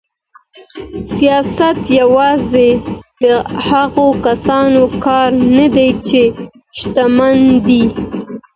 سياست يوازې د هغو کسانو کار نه دی چي شتمن دي.